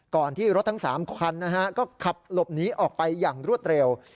ที่รถทั้ง๓คันนะฮะก็ขับหลบหนีออกไปอย่างรวดเร็ว